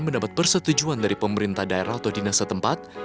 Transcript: mendapat persetujuan dari pemerintah daerah atau dinas setempat